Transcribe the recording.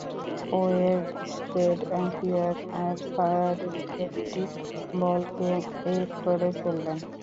Oersted, Ampere আর Faraday মিলে দুটি বলকে এক করে ফেললেন।